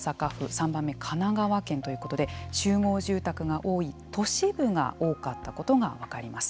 ３番目、神奈川県ということで集合住宅が多い都市部が多かったことが分かります。